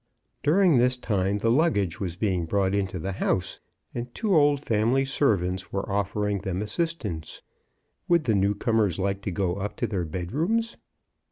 During this time the luggage was being brought into the house, and two old family MRS. BROWN AT THOMPSON HALL. 7 1 servants were offering them assistance. Would the new comers like to go up to their bed rooms?